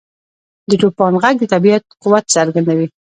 • د توپان ږغ د طبیعت قوت څرګندوي.